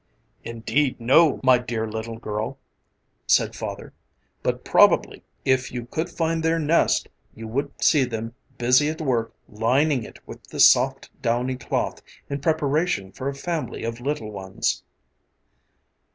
"Indeed no, my dear little girl," said Father, "but probably if you could find their nest, you would see them busy at work lining it with the soft, downy cloth in preparation for a family of little ones."